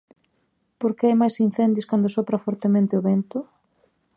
Por que hai máis incendios cando sopra fortemente o vento?